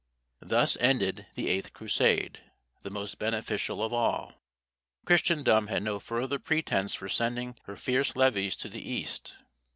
Thus ended the eighth Crusade, the most beneficial of all. Christendom had no further pretence for sending her fierce levies to the East.